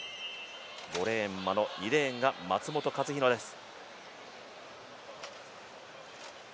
５レーン眞野２レーンが松元克央です。